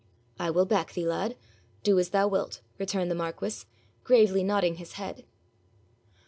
'I will back thee, lad. Do as thou wilt,' returned the marquis, gravely nodding his head.